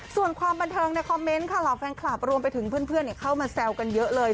ส่วนความบันเทิงในคอมเมนต์ค่ะเหล่าแฟนคลับรวมไปถึงเพื่อนเข้ามาแซวกันเยอะเลย